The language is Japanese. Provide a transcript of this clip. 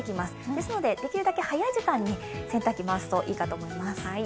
ですので、できるだけ早い時間に洗濯機を回すといいと思います。